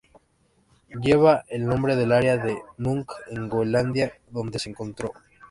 Lleva el nombre del área de Nuuk en Groenlandia, donde se encontró.